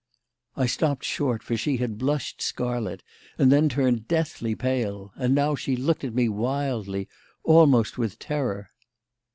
I stopped short, for she had blushed scarlet and then turned deathly pale. And now she looked at me wildly, almost with terror.